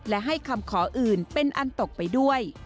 และให้คำขออื่นเป็นอันตกไปด้วย